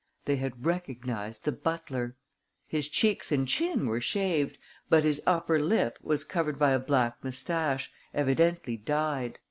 They had recognized the butler. His cheeks and chin were shaved, but his upper lip was covered by a black moustache, evidently dyed.